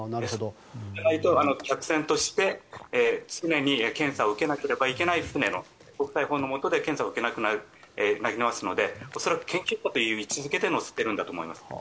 でないと、客船として常に検査を受けなければいけない国際法のもとで検査を受けなくてはいけなくなりますので恐らく研究という位置付けで乗せてるんだと思います。